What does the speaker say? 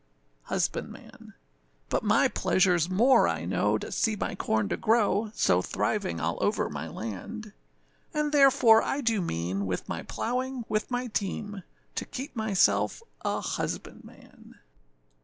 HUSBANDMAN. But my pleasureâs more I know, to see my corn to grow, So thriving all over my land; And, therefore, I do mean, with my plowing with my team, To keep myself a husbandman.